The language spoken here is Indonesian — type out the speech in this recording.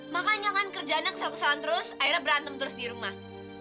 makanya kan kerjanya kesal kesal terus akhirnya berantem terus di rumah